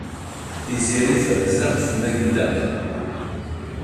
Tiziri terza ɣef Makuda.